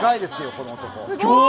この男。